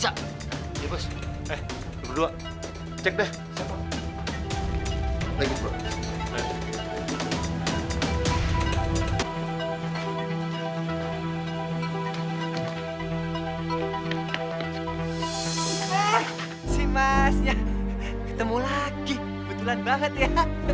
ah si masnya ketemu lagi betulan banget ya